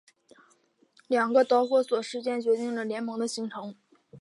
两个导火索事件决定了联盟的形成。